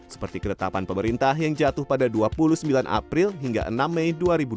seperti ketetapan pemerintah yang jatuh pada dua puluh sembilan april hingga enam mei dua ribu dua puluh